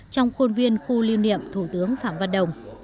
trong khuôn viên khu lưu niệm thủ tướng phạm văn đồng